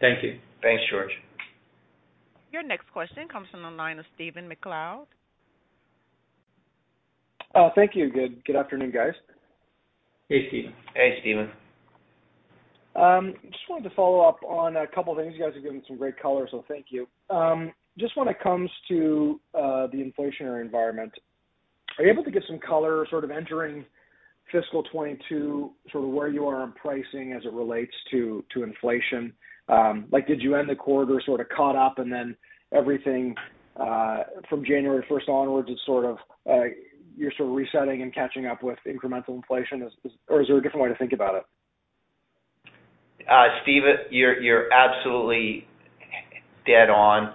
Thank you. Thanks, George. Your next question comes from the line of Stephen MacLeod. Oh, thank you. Good afternoon, guys. Hey, Stephen. Hey, Stephen. Just wanted to follow up on a couple things. You guys have given some great color, so thank you. Just when it comes to the inflationary environment, are you able to give some color sort of entering FY 2022, sort of where you are on pricing as it relates to inflation? Like, did you end the quarter sort of caught up, and then everything from January first onwards is sort of you're sort of resetting and catching up with incremental inflation? Or is there a different way to think about it? Steve, you're absolutely dead on.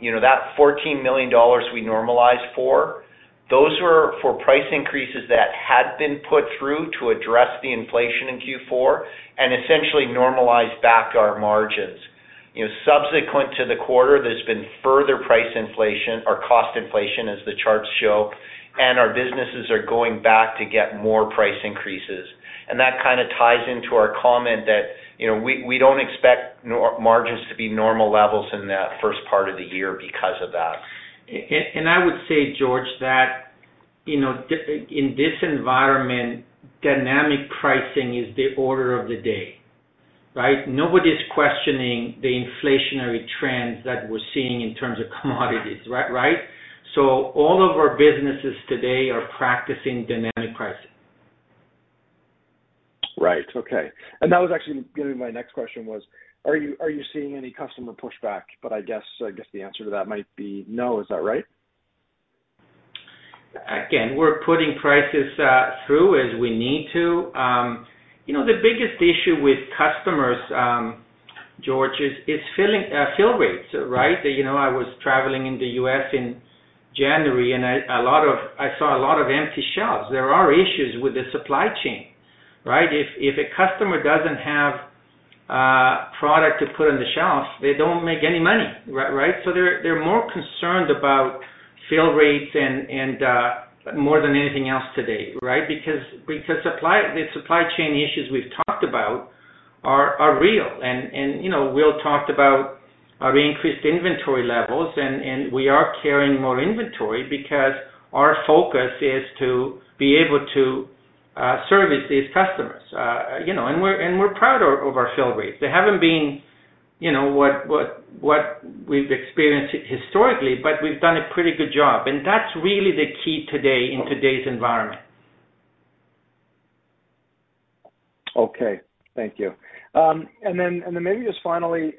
You know, that 14 million dollars we normalized for, those were for price increases that had been put through to address the inflation in Q4 and essentially normalize back our margins. You know, subsequent to the quarter, there's been further price inflation or cost inflation, as the charts show, and our businesses are going back to get more price increases. That kinda ties into our comment that, you know, we don't expect margins to be normal levels in the first part of the year because of that. I would say, George, that, you know, in this environment, dynamic pricing is the order of the day, right? Nobody's questioning the inflationary trends that we're seeing in terms of commodities. Right, right? All of our businesses today are practicing dynamic pricing. Right. Okay. That was actually gonna be my next question, are you seeing any customer pushback? I guess the answer to that might be no. Is that right? We're putting prices through as we need to. You know, the biggest issue with customers, George, is fill rates, right? You know, I was traveling in the U.S. in January. I saw a lot of empty shelves. There are issues with the supply chain, right? If a customer doesn't have product to put on the shelf, they don't make any money. Right? They're more concerned about fill rates and more than anything else today, right? The supply chain issues we've talked about are real. You know, we all talked about our increased inventory levels, and we are carrying more inventory because our focus is to be able to service these customers. You know, we're proud of our fill rates. They haven't been, you know, what we've experienced historically, but we've done a pretty good job, and that's really the key today in today's environment. Okay. Thank you. Maybe just finally,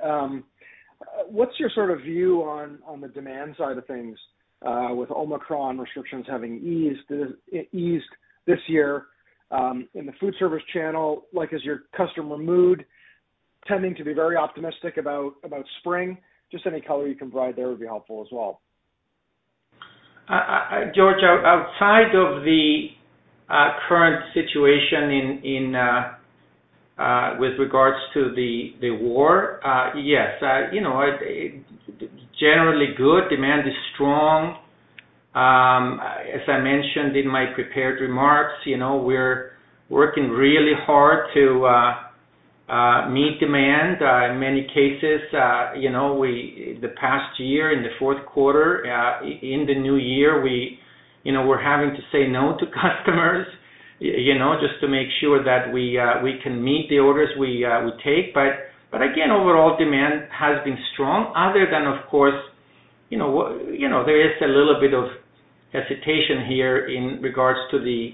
what's your sort of view on the demand side of things, with Omicron restrictions having eased this year, in the food service channel? Like, is your customer mood tending to be very optimistic about spring? Just any color you can provide there would be helpful as well. George, outside of the current situation with regards to the war, yes, you know, generally good. Demand is strong. As I mentioned in my prepared remarks, you know, we're working really hard to meet demand. In many cases, you know, the past year, in the fourth quarter, in the new year, we, you know, we're having to say no to customers, you know, just to make sure that we can meet the orders we take. But again, overall demand has been strong other than, of course, you know, there is a little bit of hesitation here in regards to the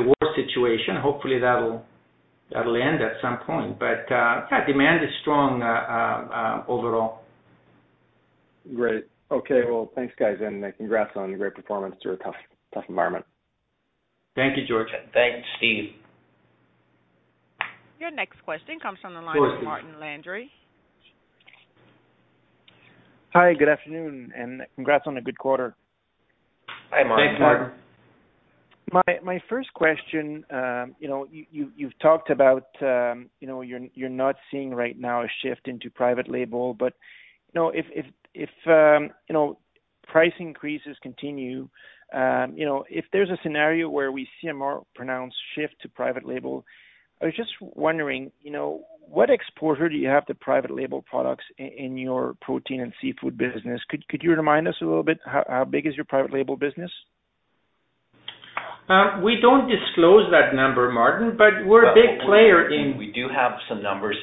war situation. Hopefully that'll end at some point. But yeah, demand is strong overall. Great. Okay. Well, thanks, guys, and congrats on great performance through a tough environment. Thank you, Stephen. Thanks, Stephen. Your next question comes from the line of Martin Landry. Hi, good afternoon, and congrats on a good quarter. Hi, Martin. Thanks, Martin. My first question, you know, you've talked about, you know, you're not seeing right now a shift into private label. You know, if price increases continue, you know, if there's a scenario where we see a more pronounced shift to private label, I was just wondering, you know, what exposure do you have to the private label products in your protein and seafood business? Could you remind us a little bit how big is your private label business? We don't disclose that number, Martin, but we're a big player in- We do have some numbers.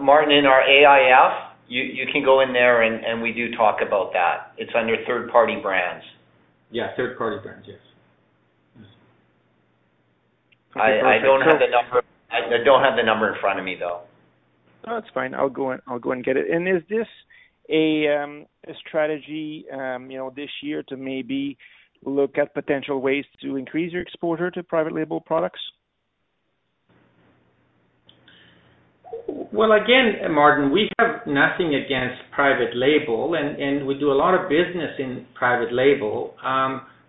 Martin, in our AIF, you can go in there and we do talk about that. It's under third-party brands. Yeah, third-party brands, yes. Okay, perfect. I don't have the number in front of me, though. No, that's fine. I'll go and get it. Is this a strategy, you know, this year to maybe look at potential ways to increase your exposure to private label products? Well, again, Martin, we have nothing against private label, and we do a lot of business in private label.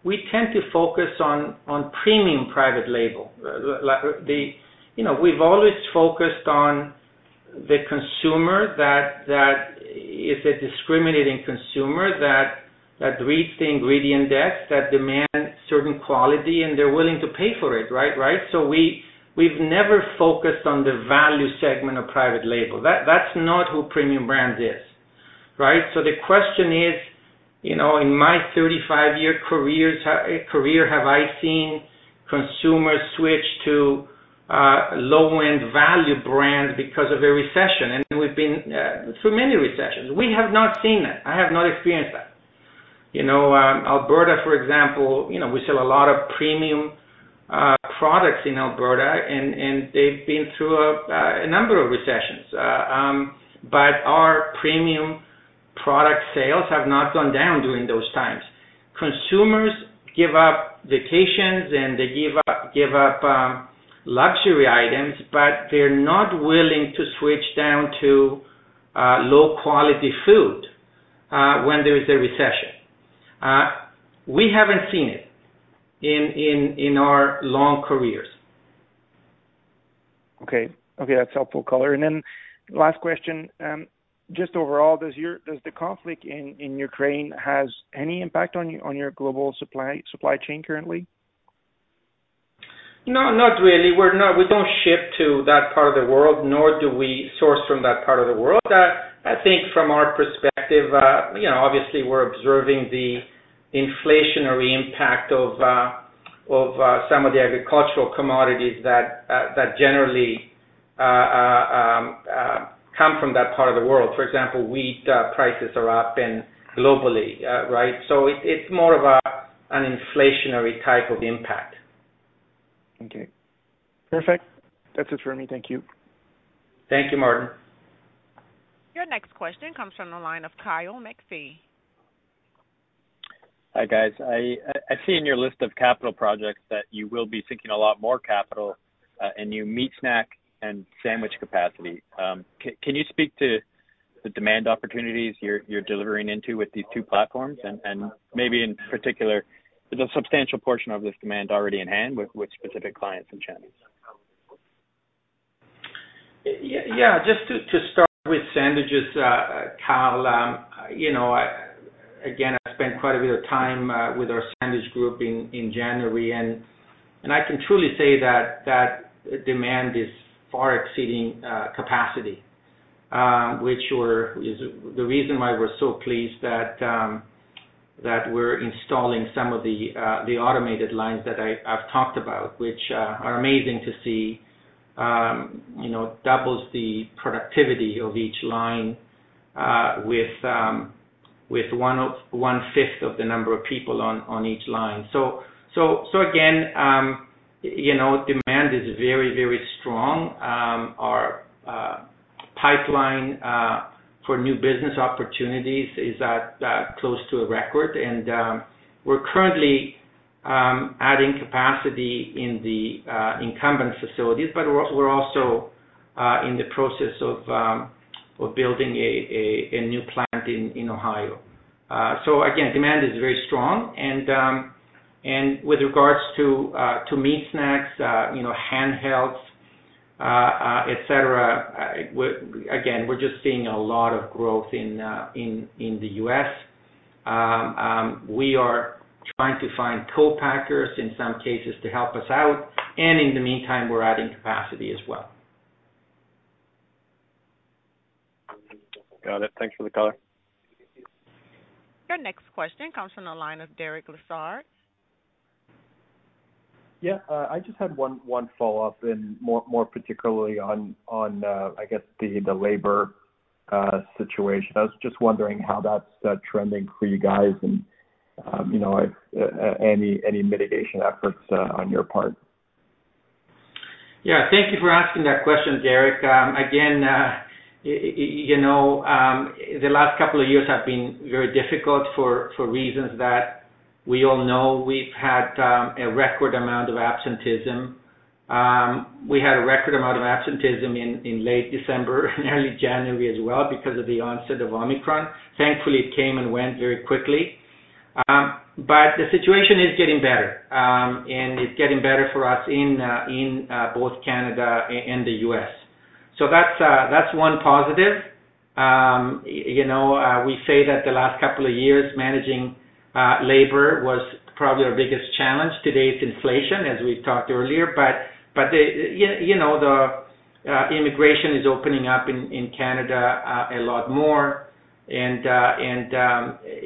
We tend to focus on premium private label. You know, we've always focused on the consumer that is a discriminating consumer that reads the ingredient decks, that demand certain quality, and they're willing to pay for it, right? Right? We've never focused on the value segment of private label. That's not who Premium Brands is, right? The question is, you know, in my 35-year career, have I seen consumers switch to low-end value brands because of a recession? We've been through many recessions. We have not seen that. I have not experienced that. You know, Alberta, for example, you know, we sell a lot of premium products in Alberta and they've been through a number of recessions. Our premium product sales have not gone down during those times. Consumers give up vacations, and they give up luxury items, but they're not willing to switch down to low-quality food when there is a recession. We haven't seen it in our long careers. Okay. Okay, that's helpful color. Last question. Just overall, does the conflict in Ukraine has any impact on your global supply chain currently? No, not really. We don't ship to that part of the world, nor do we source from that part of the world. I think from our perspective, you know, obviously we're observing the inflationary impact of some of the agricultural commodities that generally come from that part of the world. For example, wheat prices are up and globally, right? It's more of an inflationary type of impact. Okay. Perfect. That's it for me. Thank you. Thank you, Martin. Your next question comes from the line of Kyle McPhee. Hi, guys. I see in your list of capital projects that you will be seeking a lot more capital in new meat snack and sandwich capacity. Can you speak to the demand opportunities you're delivering into with these two platforms? Maybe in particular, is a substantial portion of this demand already in hand with specific clients and channels? Yeah, just to start with sandwiches, Kyle, you know, again, I spent quite a bit of time with our sandwich group in January, and I can truly say that demand is far exceeding capacity, is the reason why we're so pleased that we're installing some of the automated lines that I've talked about, which are amazing to see. You know, doubles the productivity of each line with one-fifth of the number of people on each line. So again, you know, demand is very, very strong. Our pipeline for new business opportunities is at close to a record. We're currently adding capacity in the incumbent facilities, but we're also in the process of building a new plant in Ohio. So again, demand is very strong. With regards to meat snacks, you know, handhelds, et cetera, again, we're just seeing a lot of growth in the U.S. We are trying to find co-packers in some cases to help us out, and in the meantime, we're adding capacity as well. Got it. Thanks for the color. Your next question comes from the line of Derek Lessard. Yeah. I just had one follow-up and more particularly on the labor situation. I was just wondering how that's trending for you guys and, you know, any mitigation efforts on your part. Yeah. Thank you for asking that question, Derek. Again, you know, the last couple of years have been very difficult for reasons that We all know we've had a record amount of absenteeism. We had a record amount of absenteeism in late December and early January as well because of the onset of Omicron. Thankfully, it came and went very quickly. But the situation is getting better, and it's getting better for us in both Canada and the U.S. That's one positive. You know, we say that the last couple of years managing labor was probably our biggest challenge. Today, it's inflation as we've talked earlier, but you know, the immigration is opening up in Canada a lot more and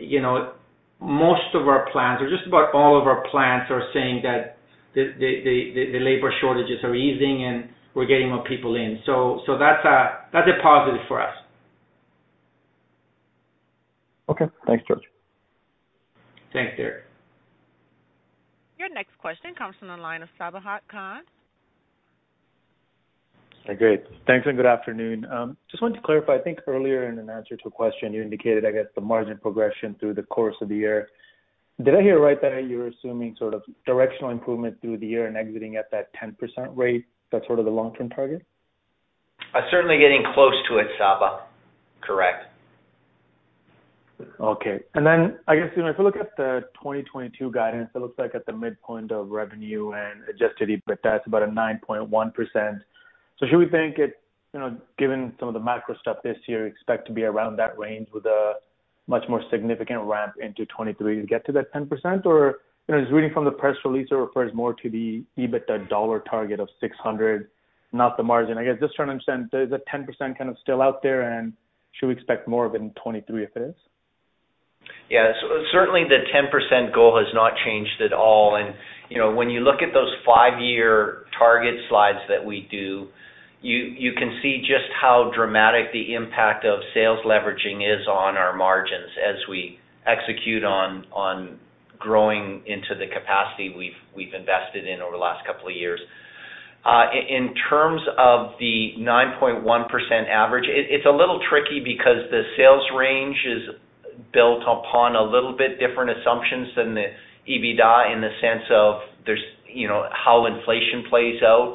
you know, most of our plants or just about all of our plants are saying that the labor shortages are easing and we're getting more people in. That's a positive for us. Okay. Thanks, George. Thanks, Derek. Your next question comes from the line of Sabahat Khan. Great. Thanks and good afternoon. Just wanted to clarify, I think earlier in an answer to a question you indicated, I guess the margin progression through the course of the year. Did I hear right that you're assuming sort of directional improvement through the year and exiting at that 10% rate, that's sort of the long-term target? Certainly getting close to it, Sabahat. Correct. Okay. I guess, you know, if you look at the 2022 guidance, it looks like at the midpoint of revenue and adjusted EBITDA, it's about a 9.1%. Should we think it, you know, given some of the macro stuff this year, expect to be around that range with a much more significant ramp into 2023 to get to that 10%? Or, you know, just reading from the press release, it refers more to the EBITDA dollar target of 600, not the margin. I guess just trying to understand, is that 10% kind of still out there, and should we expect more of it in 2023 if it is? Yeah. Certainly the 10% goal has not changed at all. You know, when you look at those five-year target slides that we do, you can see just how dramatic the impact of sales leveraging is on our margins as we execute on growing into the capacity we've invested in over the last couple of years. In terms of the 9.1% average, it's a little tricky because the sales range is built upon a little bit different assumptions than the EBITDA in the sense of there's, you know, how inflation plays out.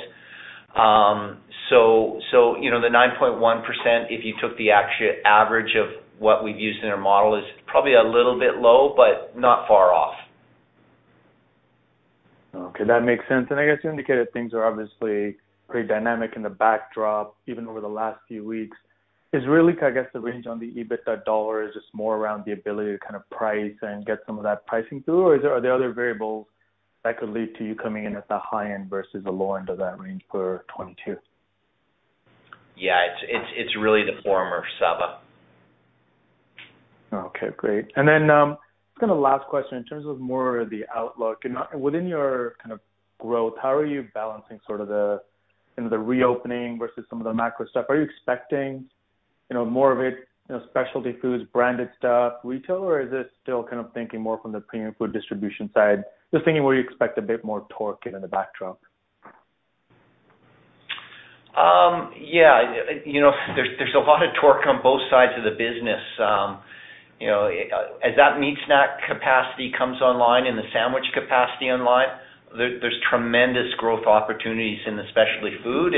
So, you know, the 9.1%, if you took the actual average of what we've used in our model is probably a little bit low, but not far off. Okay, that makes sense. I guess you indicated things are obviously pretty dynamic in the backdrop even over the last few weeks. Is really, I guess, the range on the EBITDA dollar just more around the ability to kind of price and get some of that pricing through? Or are there other variables that could lead to you coming in at the high end versus the low end of that range for 2022? Yeah. It's really the former, Sabahat. Okay, great. Kind of last question in terms of more of the outlook. You know, within your kind of growth, how are you balancing sort of the, you know, the reopening versus some of the macro stuff? Are you expecting, you know, more of it, you know, specialty foods, branded stuff, retail, or is it still kind of thinking more from the premium food distribution side? Just thinking where you expect a bit more torque in the backdrop? Yeah. You know, there's a lot of torque on both sides of the business. You know, as that meat snack capacity comes online and the sandwich capacity online, there's tremendous growth opportunities in the specialty food.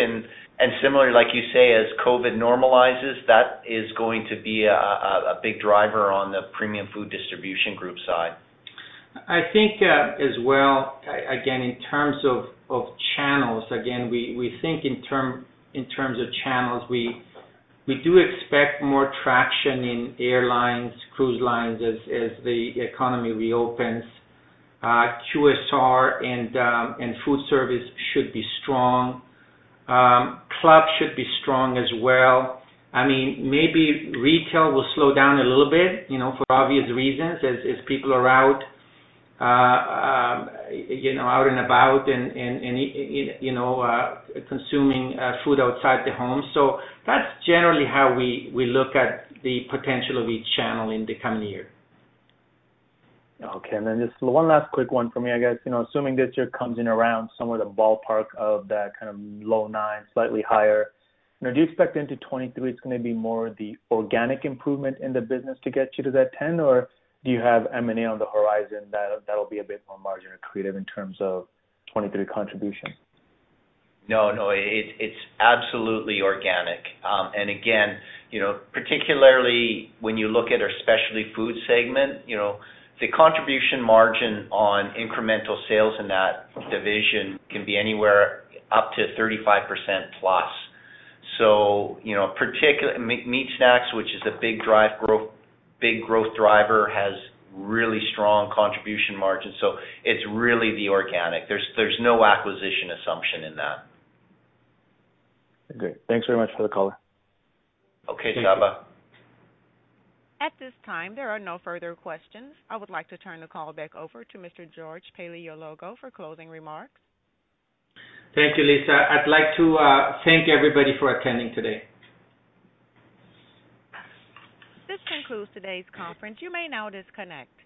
Similarly, like you say, as COVID normalizes, that is going to be a big driver on the premium food distribution group side. I think, as well, again, in terms of channels, we do expect more traction in airlines, cruise lines as the economy reopens. QSR and food service should be strong. Club should be strong as well. I mean, maybe retail will slow down a little bit, you know, for obvious reasons as people are out, you know, out and about and, you know, consuming food outside the home. That's generally how we look at the potential of each channel in the coming year. Okay. Just one last quick one for me. I guess, you know, assuming this year comes in around somewhere in the ballpark of that kind of low 9%, slightly higher. You know, do you expect into 2023 it's gonna be more the organic improvement in the business to get you to that 10%? Or do you have M&A on the horizon that'll be a bit more margin accretive in terms of 2023 contribution? No, no. It's absolutely organic. Again, you know, particularly when you look at our specialty food segment, you know, the contribution margin on incremental sales in that division can be anywhere up to 35%+. You know, meat snacks, which is a big growth driver, has really strong contribution margins. It's really the organic. There's no acquisition assumption in that. Okay. Thanks very much for the color. Okay, Sabahat. At this time, there are no further questions. I would like to turn the call back over to Mr. George Paleologou for closing remarks. Thank you, Lisa. I'd like to thank everybody for attending today. This concludes today's conference. You may now disconnect.